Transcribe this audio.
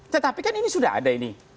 tetapi kan ini sudah ada ini